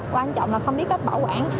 quan trọng là không biết cách bảo quản